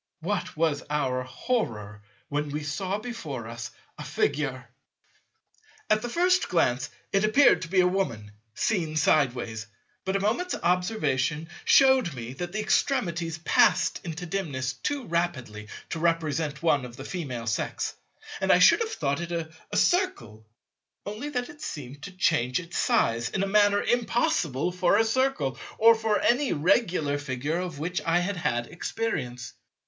What was our horror when we saw before us a Figure! At the first glance it appeared to be a Woman, seen sideways; but a moment's observation shewed me that the extremities passed into dimness too rapidly to represent one of the Female Sex; and I should have thought it a Circle, only that it seemed to change its size in a manner impossible for a Circle or for any regular Figure of which I had had experience.